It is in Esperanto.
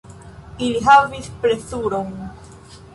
Ili havis plezuron.